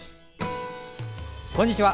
こんにちは。